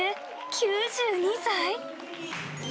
９２歳？